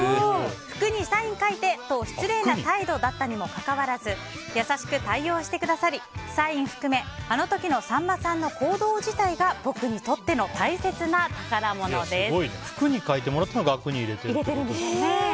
服にサイン書いて！と失礼な態度だったにもかかわらず優しく対応してくださりサイン含めあの時のさんまさんの行動自体が僕にとっての大切な宝物です。